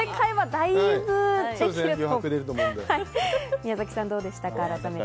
松田さん、どうでしたか？